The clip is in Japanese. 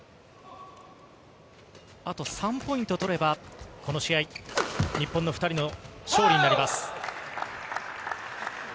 あと３ポイント取れば、この試合、日本の２人の勝利になります。